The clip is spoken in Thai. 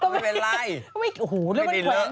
ไม่เป็นไรไม่ดินเลย